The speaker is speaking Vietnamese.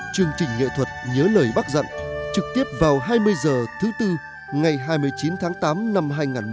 chương trình nghệ thuật nhớ lời bác dặn trực tiếp vào hai mươi h thứ tư ngày hai mươi chín tháng tám năm hai nghìn một mươi chín